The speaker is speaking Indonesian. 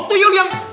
oh tuyul yang